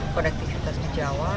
konektivitas di jawa